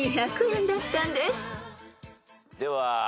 では。